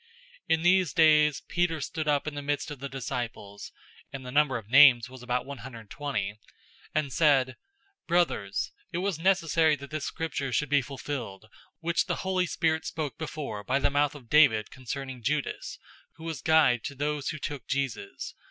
001:015 In these days, Peter stood up in the midst of the disciples (and the number of names was about one hundred twenty), and said, 001:016 "Brothers, it was necessary that this Scripture should be fulfilled, which the Holy Spirit spoke before by the mouth of David concerning Judas, who was guide to those who took Jesus.